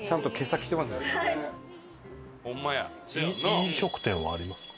飲食店はありますか？